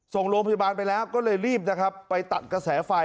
ส่งโรงพยาบาลไปแล้วก็เลยรีบนะครับไปตัดกระแสไฟ